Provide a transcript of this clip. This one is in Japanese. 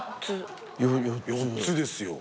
４つですよ。